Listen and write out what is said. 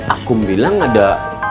aku bilang ada